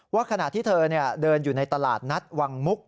ขณะที่เธอเดินอยู่ในตลาดนัดวังมุก